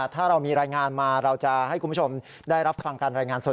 ถ้าเรามีรายงานมาเราจะให้คุณผู้ชมได้รับฟังการรายงานสด